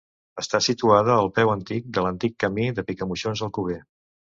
Està situada al peu antic de l'antic camí de Picamoixons a Alcover.